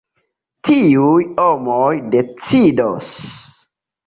Tiuj homoj decidos.